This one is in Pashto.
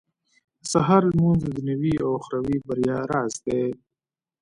• د سهار لمونځ د دنيوي او اخروي بريا راز دی.